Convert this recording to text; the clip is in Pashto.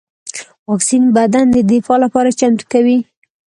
واکسین بدن د دفاع لپاره چمتو کوي